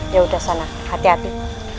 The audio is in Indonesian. ya udah sana hati hati